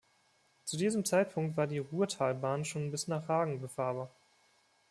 Zu diesem Zeitpunkt war die Ruhrtalbahn schon bis nach Hagen befahrbar.